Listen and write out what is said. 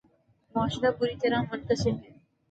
معاشرہ بری طرح منقسم ہے۔